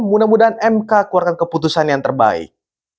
mudah mudahan mk keluarkan keputusan yang terbaik